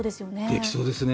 できそうですね。